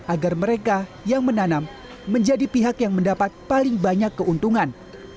agar mereka yang menanam menjadi pihak yang mendapat paling banyak keuntungan